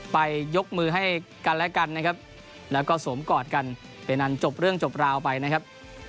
ยกมือให้กันและกันนะครับแล้วก็สวมกอดกันไปอันจบเรื่องจบราวไปนะครับ